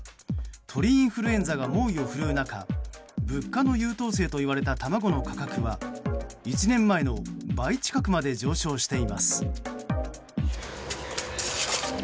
鳥インフルエンザが猛威を振るう中物価の優等生と言われた卵の価格は１年前の倍近くまで上昇しています。